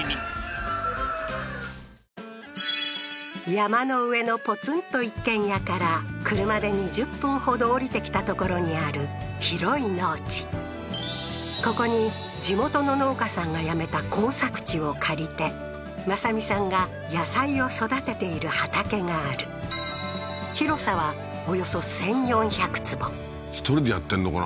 山の上のポツンと一軒家からここに地元の農家さんがやめた耕作地を借りて正美さんが野菜を育てている畑がある広さはおよそ１４００坪１人でやってんのかな？